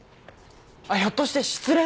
あっひょっとして失恋？